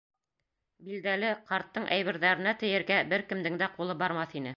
Билдәле, ҡарттың әйберҙәренә тейергә бер кемдең дә ҡулы бармаҫ ине.